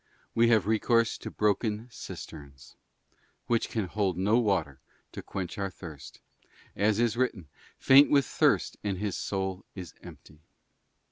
We have recourse to broken cisterns, which can hold no water to quench our thirst, as it is written, ' Faint with thirst and his soul is empty.